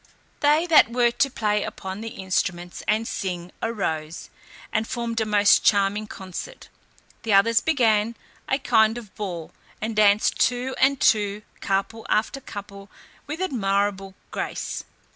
They that were to play upon the instruments and sing arose, and formed a most charming concert. The others began a kind of ball, and danced two and two, couple after couple, with admirable grace.